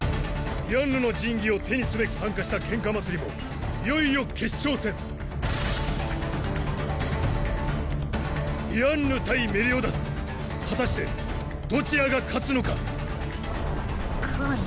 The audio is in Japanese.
ディアンヌの神器を手にすべく参加した喧嘩祭りもいよいよ決勝戦ディアンヌ対メリオダス果たしてどちらが勝つのかこの。